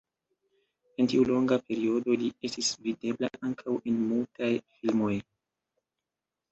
En tiu longa periodo li estis videbla ankaŭ en mutaj filmoj.